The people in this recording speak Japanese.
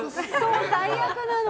最悪なの。